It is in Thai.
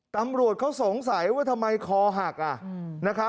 ตำรวจเขาสงสัยว่าทำไมคอหัก